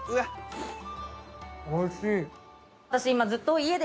おいしい。